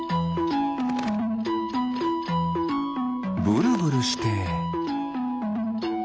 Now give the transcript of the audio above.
ブルブルして。